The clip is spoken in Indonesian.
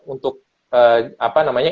untuk apa namanya